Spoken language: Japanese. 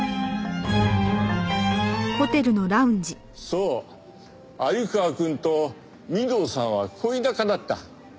そう鮎川くんと御堂さんは恋仲だった。